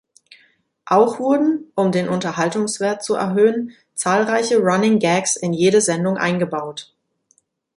Auch wurden, um den Unterhaltungswert zu erhöhen, zahlreiche Running Gags in jede Sendung eingebaut.